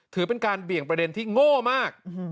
ถือเป็นการเบี่ยงประเด็นที่โง่มาก